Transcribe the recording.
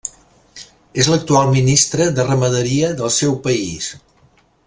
És l'actual ministre de Ramaderia del seu país.